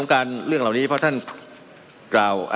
มันมีมาต่อเนื่องมีเหตุการณ์ที่ไม่เคยเกิดขึ้น